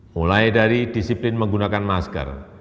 mulai dari disiplin menggunakan masker